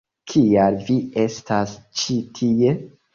Kial vi estas ĉi tie?